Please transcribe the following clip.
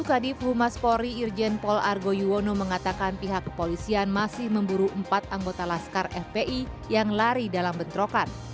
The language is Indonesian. kadif humas polri irjen pol argo yuwono mengatakan pihak kepolisian masih memburu empat anggota laskar fpi yang lari dalam bentrokan